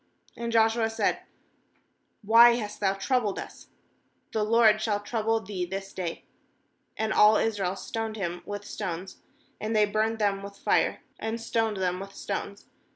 ^And Joshua said: 'Why tiast thou troubled us? the LORD shall * That is, Babylonish. 268 JOSHUA 8.18 trouble thcc this day.' And all Israel stoned him with stones; and they burned them with fire, and stoned them with stones.